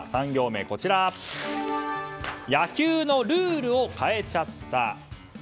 ３行目、野球のルールを変えちゃった。